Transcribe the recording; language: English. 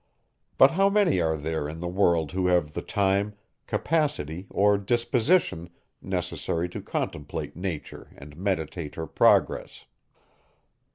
But how many are there in the world who have the time, capacity, or disposition, necessary to contemplate Nature and meditate her progress?